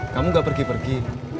kamu gak pergi pergi